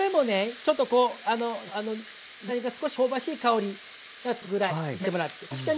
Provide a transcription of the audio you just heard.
ちょっとこう豚肉が少し香ばしい香りがつくぐらい炒めてもらって。